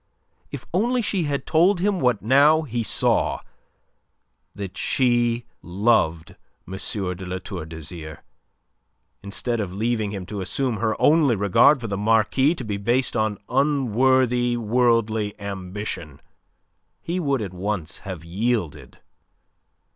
If only she had told him what now he saw, that she loved M. de La Tour d'Azyr, instead of leaving him to assume her only regard for the Marquis to be based on unworthy worldly ambition, he would at once have yielded.